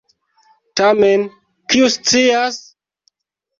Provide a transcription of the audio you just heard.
Tamen, kiu scias?...